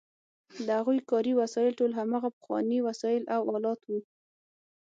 د هغوی کاري وسایل ټول هماغه پخواني وسایل او آلات وو.